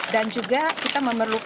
dan juga kita memerlukan